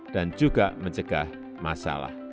juga mencegah masalah